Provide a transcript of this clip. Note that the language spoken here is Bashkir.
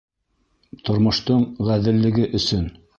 Тормоштоң ғәҙеллеге өсөн!